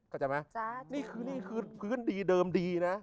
เข้าใจไหมนี่คือคืนดีเดิมดีนะ